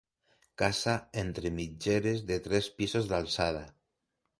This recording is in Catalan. Casa entre mitgeres de tres pisos d'alçada.